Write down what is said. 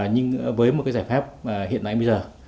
nhưng với một cái giải pháp hiện nay bây giờ